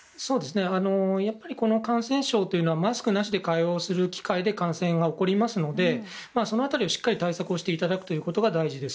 やっぱり、この感染症はマスクなしで会話をすると感染が起こりますのでその辺りをしっかり対策していただくことが大事です。